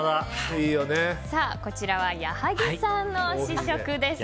こちらは矢作さんの試食です。